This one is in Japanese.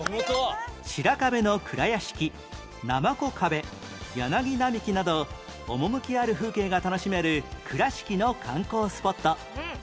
白壁の蔵屋敷なまこ壁柳並木など趣ある風景が楽しめる倉敷の観光スポット